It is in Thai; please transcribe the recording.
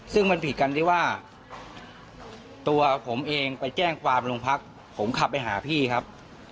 ซึ่งมันผิดกันที่ว่าตัวผมเองไปแจ้งความลงพักผมขับไปหาพี่ครับ